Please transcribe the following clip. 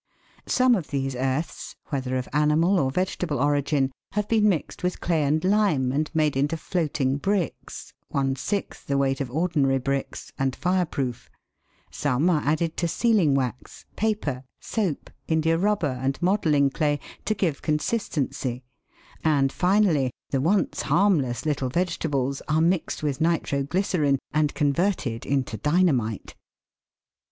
Some of these earths, whether of animal or vegetable origin, have been mixed with clay and lime, and made into " floating bricks," one sixth the weight of ordinary bricks, and fireproof ; some are added to sealing wax, paper, soap, indiarubber and model ling clay, to give consistency, and, finally, the once harmless little vegetables are mixed with nitroglycerine and con verted into dynamite